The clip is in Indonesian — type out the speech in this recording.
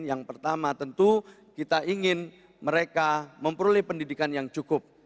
yang pertama tentu kita ingin mereka memperoleh pendidikan yang cukup